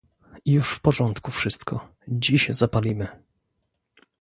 "Już w porządku wszystko: dziś zapalimy."